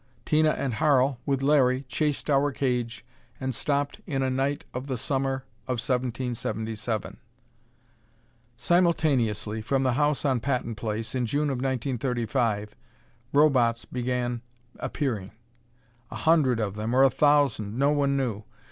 Tina and Harl, with Larry, chased our cage and stopped in a night of the summer of 1777. Simultaneously, from the house on Patton Place, in June of 1935, Robots began appearing. A hundred of them, or a thousand, no one knew.